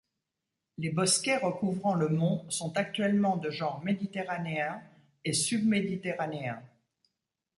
Les bosquets recouvrant le mont sont actuellement de genre méditerranéen et sub-méditerranéen.